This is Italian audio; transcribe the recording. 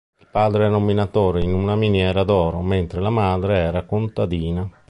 Il padre era un minatore in una miniera d'oro, mentre la madre era contadina.